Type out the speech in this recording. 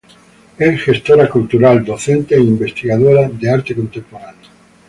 Es gestora cultural, docente e investigadora de arte contemporáneo.